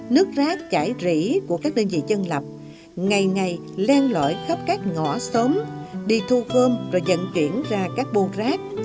nước rác chải rỉ của các đơn vị chân lập ngày ngày len lõi khắp các ngõ xóm đi thu gom rồi dẫn chuyển ra các bôn rác